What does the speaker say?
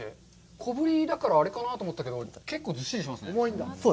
小ぶりだからあれかなと思ったけど、結構ずっしりしますね。